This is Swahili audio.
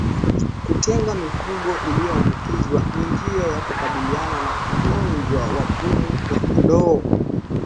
Kutenga mifugo iliyoambukizwa ni njia ya kukabiliana na ugonjwa wa pumu ya kondoo